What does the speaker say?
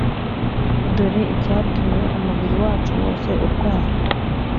Dore Icyatumye umubiri wacu wose urwara